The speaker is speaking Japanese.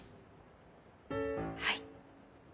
はい。